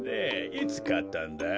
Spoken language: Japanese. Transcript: いつかったんだい？